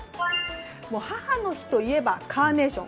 母の日といえばカーネーション。